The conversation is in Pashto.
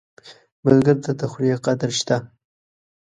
بزګر ته د خولې قدر شته